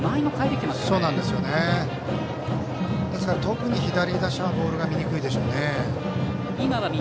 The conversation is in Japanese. ですから、特に左打者はボールが見にくいでしょうね。